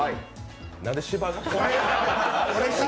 なんで芝が？